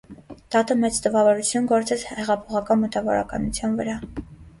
Դատը մեծ տպավորություն գործեց հեղափոխական մտավորականության վրա։